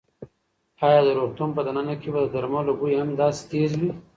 ایا د روغتون په دننه کې به د درملو بوی هم داسې تېز وي؟